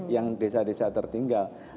yang desa desa tertinggal